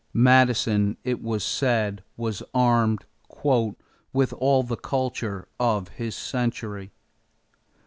Madison, it was said, was armed "with all the culture of his century."